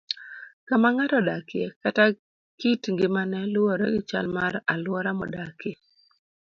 Kama ng'ato odakie kata kit ngimane luwore gi chal mar alwora modakie.